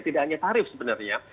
tidak hanya tarif sebenarnya